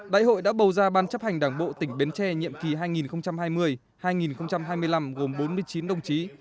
đại hội đã bầu ra ban chấp hành đảng bộ tỉnh bến tre nhiệm kỳ hai nghìn hai mươi hai nghìn hai mươi năm gồm bốn mươi chín đồng chí